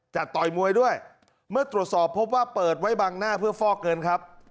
จะต่อยมวยด้วยเมื่อตรวจสอบพบว่าเปิดไว้บังหน้าเพื่อฟอกเงินครับ